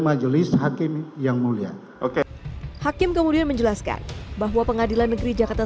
majelis hakim yang mulia oke hakim kemudian menjelaskan bahwa pengadilan negeri jakarta